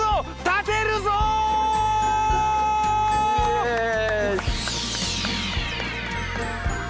イエーイ！